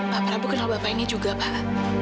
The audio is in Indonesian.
bapak bapak kenal bapak ini juga pak